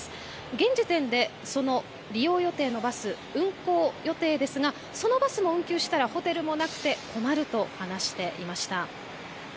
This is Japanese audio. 現時点でその利用予定のバス、運行予定ですがそのバスも運休したらホテルもなくて困ると話していました。